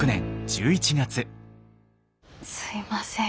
すいません